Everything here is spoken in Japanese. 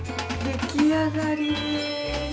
出来上がりです。